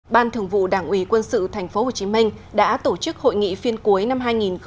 ban thường vụ đảng ủy quân sự tp hcm đã tổ chức hội nghị phiên cuối năm hai nghìn một mươi chín